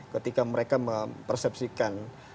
ketika mereka mempersepsikan